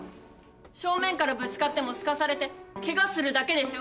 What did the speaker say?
正面からぶつかってもすかされてケガするだけでしょ。